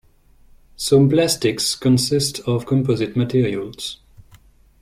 Some plastics consist of composite materials.